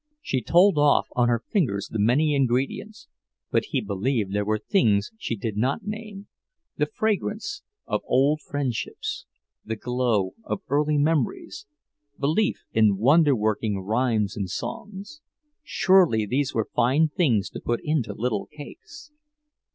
She told off on her fingers the many ingredients, but he believed there were things she did not name: the fragrance of old friendships, the glow of early memories, belief in wonder working rhymes and songs. Surely these were fine things to put into little cakes!